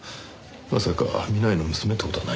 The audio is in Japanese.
まさか南井の娘って事はないですよね？